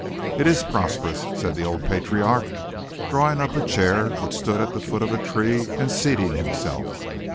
"It is prosperous," said the old patriarch, drawing up a chair which stood at the foot of a tree and seating himself.